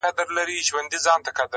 د مدرسو او مکتبونو کیسې،